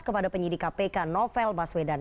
kepada penyidik kpk novel baswedan